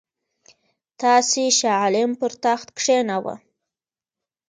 تاسي شاه عالم پر تخت کښېناوه.